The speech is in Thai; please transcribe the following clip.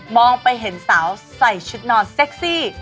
ไปเห็นสาวใส่ชุดนอนเซ็กซี่